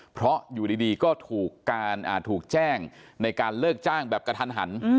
เพราะอยู่ดีก็ถูกแจ้งในการเลิกจ้างแบบกระทันหัน